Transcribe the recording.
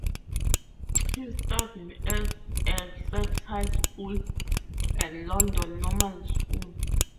He studied in Essex High School and London Normal School.